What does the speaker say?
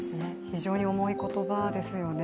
非常に重い言葉ですよね。